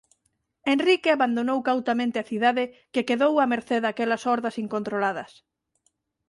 Henrique abandonou cautamente a cidade que quedou a mercé daquelas hordas incontroladas.